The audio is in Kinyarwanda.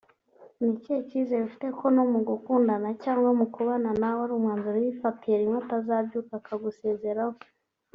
ni ikihe cyizere ufite ko no mu kugukunda cyangwa mu kubana nawe ari umwanzuro yifatiye rimwe atazabyuka akagusezeraho